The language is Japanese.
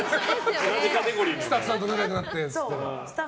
スタッフさんと仲良くなってって。